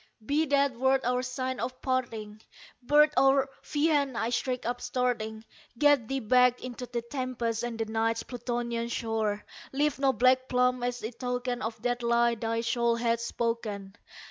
"Be that word our sign of parting, bird or fiend!" I shrieked upstarting "Get thee back into the tempest and the Night's Plutonian shore! Leave no black plume as a token of that lie thy soul hath spoken!